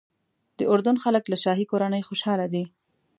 د اردن خلک له شاهي کورنۍ خوشاله دي.